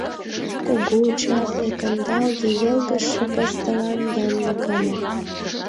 Кугу, чапле, кандалге йылгыжше пыстылан янлык ыле.